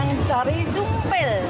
yang dicari sumpil